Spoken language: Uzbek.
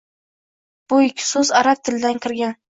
Bu ikki soʻz arab tilidan kirgan